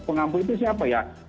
pengampu itu siapa ya